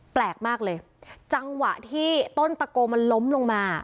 แปลกมากเลยจังหวะที่ต้นตะโกมันล้มลงมา